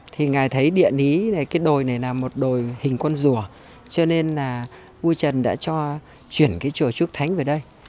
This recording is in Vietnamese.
thì ngài thấy địa lý này cái đồi này là một đồi hình con rùa cho nên là vua trần đã cho chuyển cái chùa trúc thánh về đây